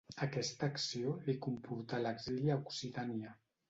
Aquesta acció li comportà l'exili a Occitània.